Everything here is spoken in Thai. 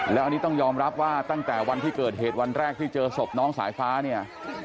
แล้วอันนี้ต้องยอมรับว่าตั้งแต่วันที่เกิดเหตุวันแรกที่เจอศพน้องสายฟ้าเนี่ย